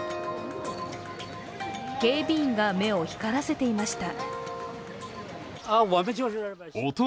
警備員が目を光らせていました。